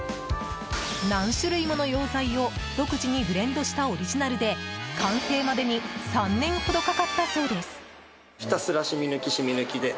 何種類もの溶剤を独自にブレンドしたオリジナルで完成までに３年ほどかかったそうです。